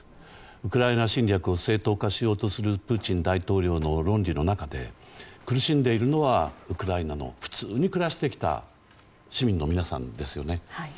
ウクライナ侵略を正当化しようとするプーチン大統領の論議の中で苦しんでいるのはウクライナの普通に暮らしてきた市民の皆さんですよね。